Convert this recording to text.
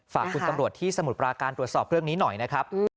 ฝากคุณตำรวจที่สมุทรปราการตรวจสอบเรื่องนี้หน่อยนะครับ